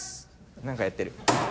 なんかやってる。